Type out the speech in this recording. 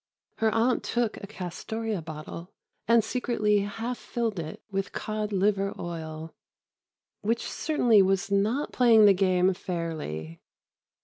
Her aunt took a Castoria bottle and secretly half filled it with cod liver oil, which certainly was not playing the game fairly.